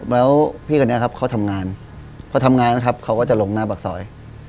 แล้วพี่คนนี้ครับเขาทำงานพอทำงานนะครับเขาก็จะลงหน้าปากซอย